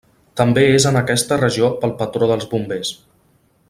També és en aquesta regió el patró dels bombers.